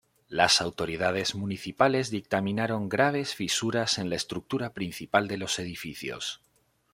Las autoridades municipales dictaminaron graves fisuras en la estructura principal de los edificios.